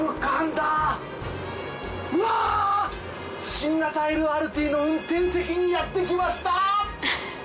新型ＬＲＴの運転席にやって来ました！